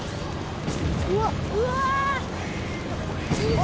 うわっうわいけ！